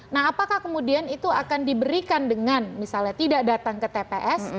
nah apakah kemudian itu akan diberikan dengan misalnya tidak datang ke tps